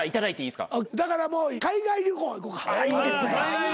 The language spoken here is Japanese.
いいですね。